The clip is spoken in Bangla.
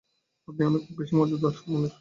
আপনি অনেক বেশি মজাদার হচ্ছেন।